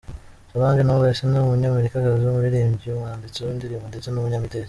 Solange Knowles: Ni umunyamerikakazi, umuririmbyi, umwanditsi w’indirimbo ndetse n’umunyamideli.